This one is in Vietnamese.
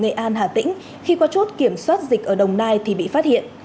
sáu người về quê ở nghệ an hà tĩnh khi qua chốt kiểm soát dịch ở đồng nai thì bị phát hiện